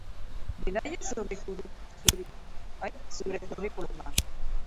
Bidali zure curriculuma.